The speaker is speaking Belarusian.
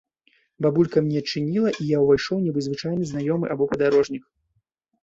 Бабулька мне адчыніла, і я ўвайшоў, нібы звычайны знаёмы або падарожнік.